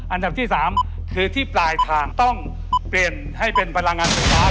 อันดับที่๓คือที่ปลายทางต้องเปลี่ยนให้เป็นพลังงานไฟฟ้า